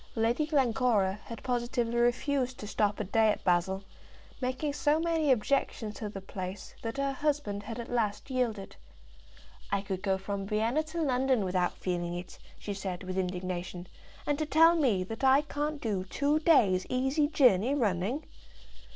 Lady Glencora had positively refused to stop a day at Basle, making so many objections to the place that her husband had at last yielded. "I could go from Vienna to London without feeling it," she said, with indignation; "and to tell me that I can't do two easy days' journey running!"